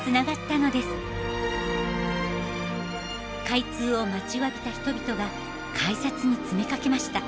開通を待ちわびた人々が改札に詰めかけました。